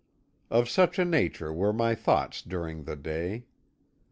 "Of such a nature were my thoughts during the day.